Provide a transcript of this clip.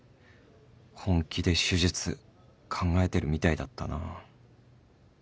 本気で手術考えてるみたいだったな